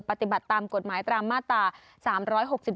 ปฏิบัติตามกฎหมายตามมาตรา๓๖๒